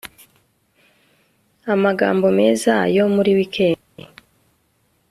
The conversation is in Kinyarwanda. amagambo meza yo muri wikendi